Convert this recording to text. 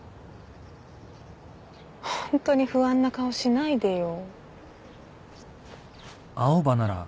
ホントに不安な顔しないでよ。